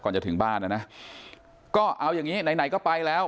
จะถึงบ้านนะนะก็เอาอย่างงี้ไหนไหนก็ไปแล้ว